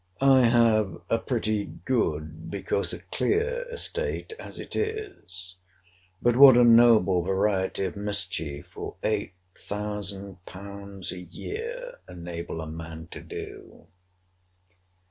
I have a pretty good, because a clear, estate, as it is. But what a noble variety of mischief will 8000£. a year, enable a man to do?